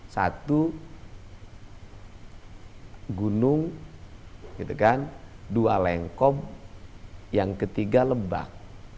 satu gunung dua lengkop yang ketiga lebak